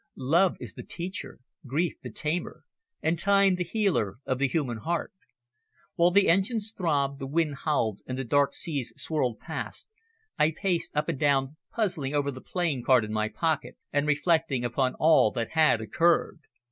Love is the teacher, grief the tamer, and time the healer of the human heart. While the engines throbbed, the wind howled and the dark seas swirled past, I paced up and down puzzling over the playing card in my pocket and reflecting upon all that had occurred.